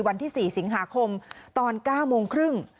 วันที่๔สิงหาคมตอน๙โมงครึ่ง